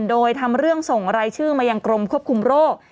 โดยทำเรื่องส่งรายชื่อมายังกรมควบคุมโรค